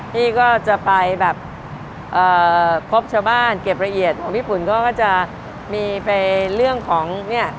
พี่ก็จะไปแบบเอ่อพบชาวบ้านเก็บละเอียดของพี่ปุ่นก็จะมีไปเรื่องของเนี่ย